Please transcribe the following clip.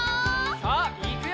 さあいくよ！